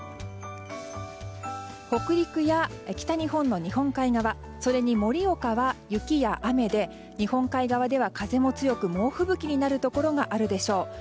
北陸や北日本の日本海側それに盛岡は、雪や雨で日本海側では風も強く猛吹雪になるところがあるでしょう。